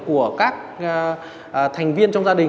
của các thành viên trong gia đình